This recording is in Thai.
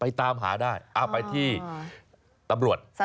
เสียดายนะคะคุณสี่พันธุ์นี่ไม่ใช่น้อยนะ